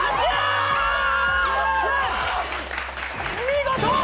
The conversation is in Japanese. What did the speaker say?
見事！